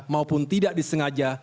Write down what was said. maupun tidak disengaja